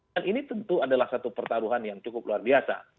dan ini tentu adalah satu pertarungan yang cukup luar biasa